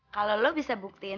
kalau kamu bisa membuktikan